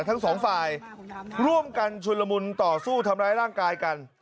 ทั้งสองฝ่ายร่วมกันชุนละมุนต่อสู้ทำร้ายร่างกายกัน